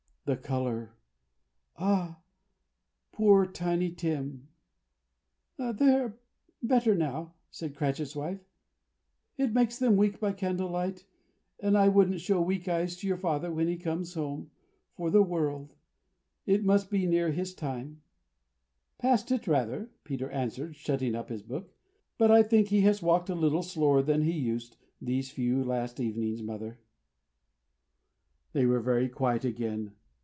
The color? Ah, poor Tiny Tim! "They're better now again," said Cratchit's wife. "It makes them weak by candle light; and I wouldn't show weak eyes to your father when he comes home, for the world. It must be near his time." "Past it rather," Peter answered, shutting up his book. "But I think he has walked a little slower than he used, these few last evenings, mother." They were very quiet again.